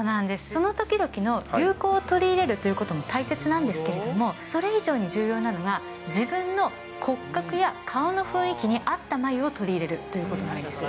その時々の流行を取り入れるということも大切なんですけれども、それ以上に重要なのが、自分の骨格や顔の雰囲気に合った眉を取り入れるということなんです。